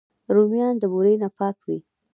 رومیان د بورې نه پاک وي